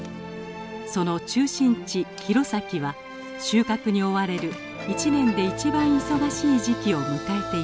その中心地弘前は収穫に追われる一年で一番忙しい時期を迎えていました。